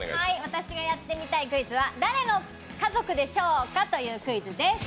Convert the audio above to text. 私がやってみたいクイズは「誰の家族でしょう？クイズ」です。